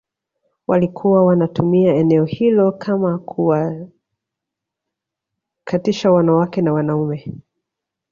walikuwa wanatumia eneo hilo kama kuwatakatisha wanawake na wanaume